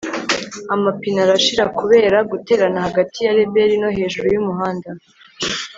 amapine arashira kubera guterana hagati ya reberi no hejuru yumuhanda